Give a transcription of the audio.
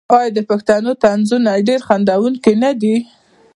آیا د پښتنو طنزونه ډیر خندونکي نه دي؟